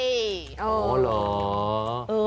อ๋อเหรอ